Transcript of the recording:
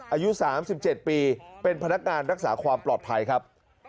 อายุ๓๗ปีเป็นพนักงานรักษาความปลอดภัยครับ